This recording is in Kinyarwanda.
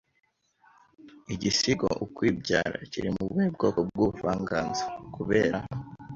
Igisigo “Ukwibyara” kiri mu buhe bwoko bw’ubuvanganzo Kubera